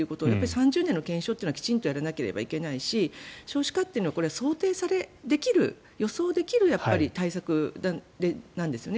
３０年の検証というのはきちんとやらないといけないし少子化というのは想定できる予想できる対策なんですよね。